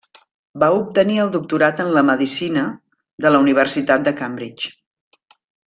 Va obtenir el doctorat en la medicina de la Universitat de Cambridge.